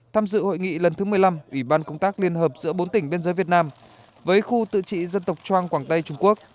tham dự hội nghị lần thứ một mươi năm ủy ban công tác liên hợp giữa bốn tỉnh biên giới việt nam với khu tự trị dân tộc trang quảng tây trung quốc